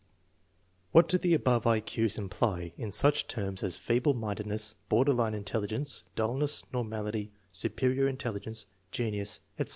What do the above I Q's imply in such terms as feeble mindedness, border line intelligence, dullness, normality, superior in telligence, genius, etc.?